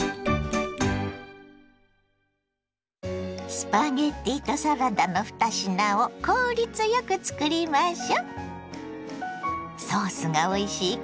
スパゲッティとサラダの２品を効率よくつくりましょ。